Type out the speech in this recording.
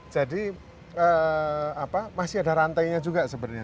jadi masih ada rantainya juga sebenarnya